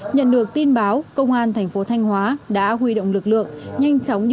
nhận được tin báo công an thành phố thanh hóa đã huy động lực lượng